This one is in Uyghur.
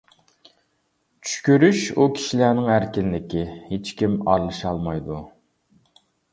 چۈش كۆرۈش ئۇ كىشىلەرنىڭ ئەركىنلىكى، ھېچكىم ئارىلىشالمايدۇ.